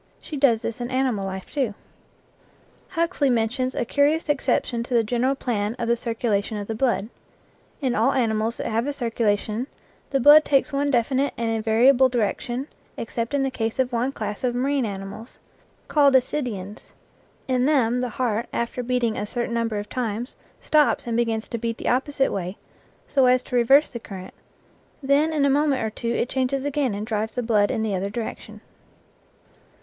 She does this in animal life too. Huxley mentions a curious exception to the general plan of the circulation of the blood. In all animals that have a circulation the blood takes one definite and invariable direction except in the case of one class of marine animals, called ascidians; in them the heart, after beating a certain number of times, stops.and begins to beat the opposite way, so as to reverse the current; then in a moment or two it changes again and drives the blood in the other direction.